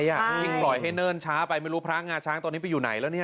ยิ่งปล่อยให้เนิ่นช้าไปไม่รู้พระงาช้างตอนนี้ไปอยู่ไหนแล้วเนี่ย